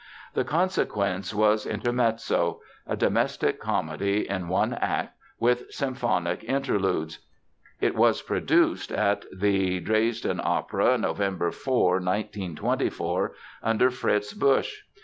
The consequence was Intermezzo, a domestic comedy in one act with symphonic interludes. It was produced at the Dresden Opera, November 4, 1924, under Fritz Busch.